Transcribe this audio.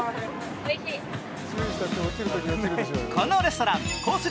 このレストラン、コース